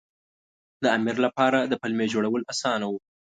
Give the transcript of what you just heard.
د امیر لپاره د پلمې جوړول اسانه وو.